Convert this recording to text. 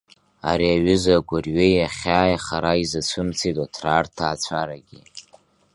Ари аҩыза агәырҩеи ахьааи хара изацәымцеит Оҭраа рҭаацәарагьы.